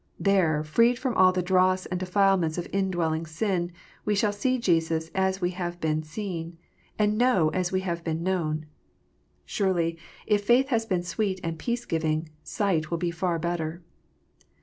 There, freed from all the dross and defilement of indwelling sin, we shall see Jesus as we have been seen, and know as we have been known. Surely, if faith has been sweet and peace giving, sight will be far better.